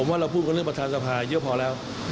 ว่าเราพูดกันเรื่องประธานสภาเยอะพอแล้ว